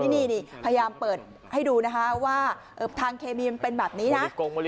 นี่พยายามเปิดให้ดูนะคะว่าทางเคมีมันเป็นแบบนี้นะ